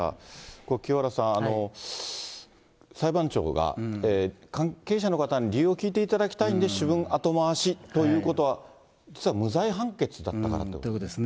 これ、清原さん、裁判長が関係者の方に理由を聞いていただきたいんで、主文後回しということは、そうですね。